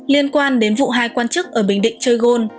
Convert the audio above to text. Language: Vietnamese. liên quan đến vụ hai quan chức ở bình định chơi gôn